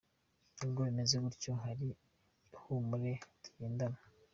Nubwo bimeze bityo hari ihumure tugendana.